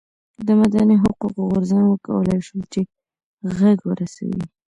د مدني حقونو غورځنګ وکولای شول چې غږ ورسوي.